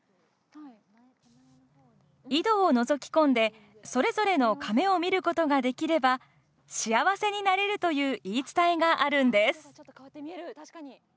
井戸をのぞき込んでそれぞれのかめを見ることができれば幸せになれるという言い伝えがあるんです。